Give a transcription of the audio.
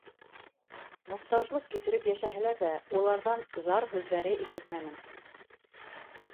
Мохтажлыҡ кисереп йәшәһәләр ҙә, уларҙан зар һүҙҙәре ишетмәнем.